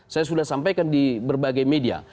saya sudah sampaikan di berbagai media